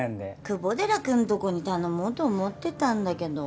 久保寺君とこに頼もうと思ってたんだけど。